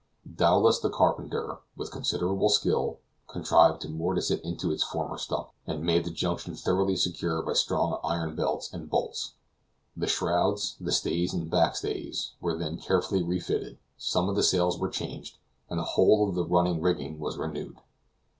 Dowlas the carpenter, with considerable skill, contrived to mortise it into its former stump, and made the junction thoroughly secure by strong iron belts and bolts. The shrouds, the stays and backstays, were then carefully refitted, some of the sails were changed, and the whole of the running rigging was renewed.